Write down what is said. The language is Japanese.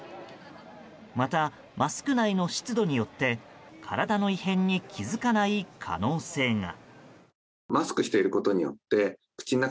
また、マスク内の湿度によって体の異変に気付かない可能性が。